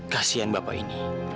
kasian bapak ini